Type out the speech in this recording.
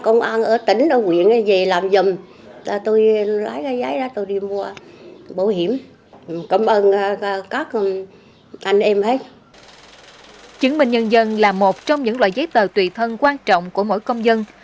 chứng minh nhân dân là một trong những loại giấy tờ tùy thân quan trọng của mỗi công dân